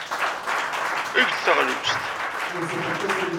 Eg-d taɣlust.